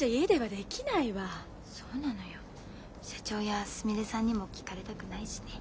そうなのよ社長やすみれさんにも聞かれたくないしね。